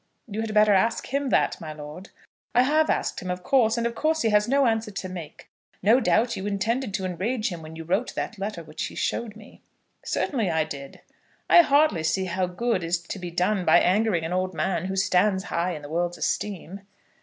"You had better ask him that, my lord." "I have asked him, of course, and of course he has no answer to make. No doubt you intended to enrage him when you wrote him that letter which he showed me." "Certainly I did." "I hardly see how good is to be done by angering an old man who stands high in the world's esteem."